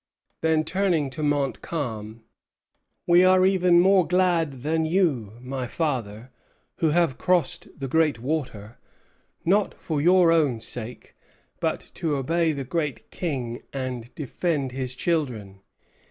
Then, turning to Montcalm: "We are even more glad than you, my father, who have crossed the great water, not for your own sake, but to obey the great King and defend his children.